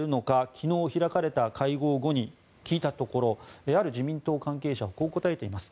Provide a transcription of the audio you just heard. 昨日開かれた会合後に聞いたところある自民党関係者はこう答えています。